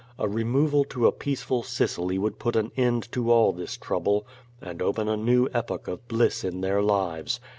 A removal to peaceful Sicily would put an end to all this trouble and open a new epoch of bliss in their lives.